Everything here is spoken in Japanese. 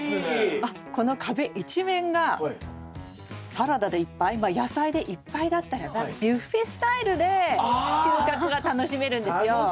この壁一面がサラダでいっぱいまあ野菜でいっぱいだったらばビュッフェスタイルで収穫が楽しめるんですよ。